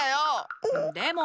でも。